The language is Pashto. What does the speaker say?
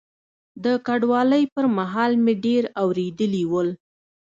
د کډوالۍ پر مهال مې ډېر اورېدلي ول.